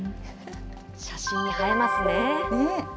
写真に映えますね。